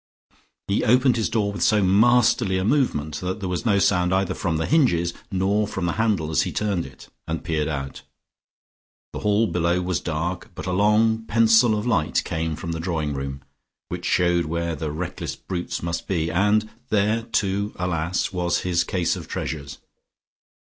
He opened his door with so masterly a movement that there was no sound either from the hinges nor from the handle as he turned it, and peered out. The hall below was dark, but a long pencil of light came from the drawing room, which showed where the reckless brutes must be, and there, too, alas! was his case of treasures.